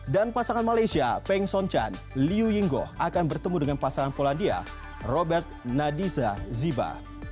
dan pasangan malaysia peng son chan liu yinggo akan bertemu dengan pasangan polandia robert nadiza ziba